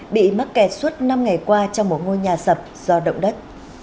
bị mắc kẹt suốt năm ngày qua trong một ngôi nhà sập do động đất